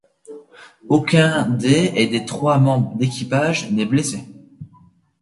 Aucun des et des trois membres d'équipage n'est blessé.